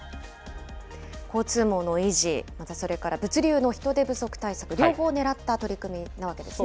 交通網の維持、またそれから物流の人手不足対策、両方ねらった取り組みなわけですね。